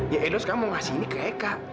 ya edo sekarang mau ngasih ini ke eka